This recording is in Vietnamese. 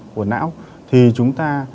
của não thì chúng ta